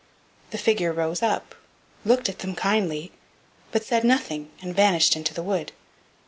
The figure got up, looked at them kindly, but said nothing, and vanished into the wood.